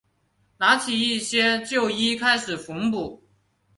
拿起一些旧衣开始缝补